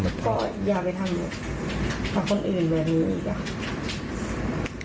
ก็อย่าไปทำกับคนอื่นแบบนี้อีกครับ